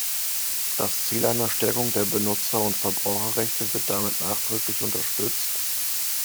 Das Ziel einer Stärkung der Benutzerund Verbraucherrechte wird damit nachdrücklich unterstützt.